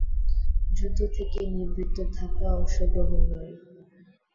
যুদ্ধ থেকে নিবৃত্ত থাকা, অংশগ্রহণ নয়।